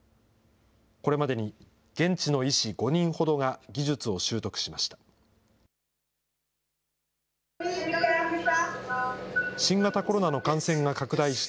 これまでに現地の医師５人ほどが技術を習得しました。